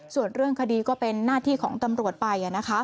ส่วนเรื่องคดีก็เป็นหน้าที่ของตำรวจไป